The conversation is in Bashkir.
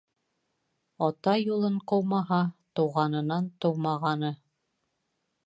Ата юлын ҡыумаһа -Тыуғанынан тыумағаны.